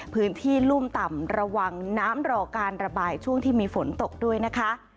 พื้นที่รุ่มต่ำระวังน้ำรอการระบายช่วงที่มีฝนตกด้วยนะคะ